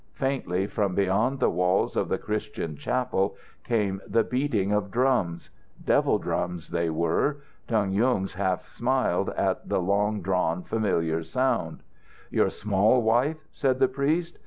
Faintly, from beyond the walls of the Christian chapel came the beating of drums. Devil drums they were. Dong Yung half smiled at the long known familiar sound. "Your small wife?" said the priest.